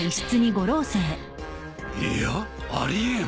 いやあり得ん。